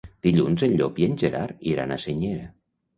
Dilluns en Llop i en Gerard iran a Senyera.